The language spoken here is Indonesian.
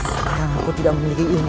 sekarang aku tidak memiliki ini